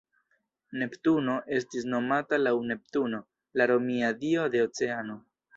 Neptuno estis nomata laŭ Neptuno, la romia dio de oceano.